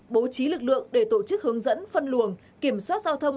bố trí lực lượng để tổ chức hướng dẫn phân luồng kiểm soát giao thông